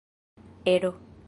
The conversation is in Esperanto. ero